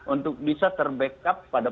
untuk bisa terbackup pada